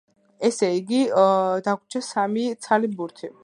ესე იგი, დაგვრჩა სამი ცალი ბურთი.